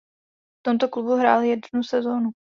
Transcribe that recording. V tomto klubu hrál jednu sezónu.